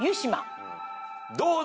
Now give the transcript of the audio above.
どうだ！？